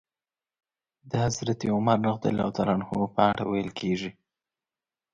د حضرت عمر رض په اړه ويل کېږي.